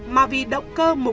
mà vì động cơ mục đích đen tổn